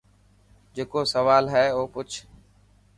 جڪو سوال هي او پڇ.